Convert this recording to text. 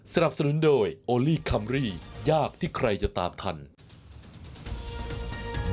สนับสนุนโดยโอลี่คัมรี่ยากที่ใครจะตามทัน